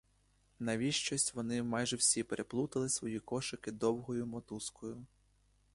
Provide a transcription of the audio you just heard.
Навіщось вони майже всі переплутали свої кошики довгою мотузкою.